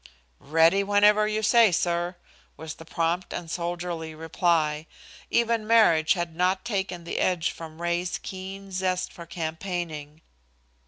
"Ready whenever you say, sir," was the prompt and soldierly reply. Even marriage had not taken the edge from Ray's keen zest for campaigning.